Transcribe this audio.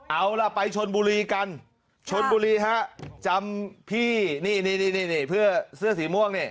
เอาล่ะไปชนบุรีกันชนบุรีฮะจำพี่นี่เพื่อเสื้อสีม่วงนี่